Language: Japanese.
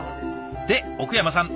で奥山さん